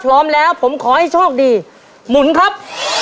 ครอบครัวของแม่ปุ้ยจังหวัดสะแก้วนะครับ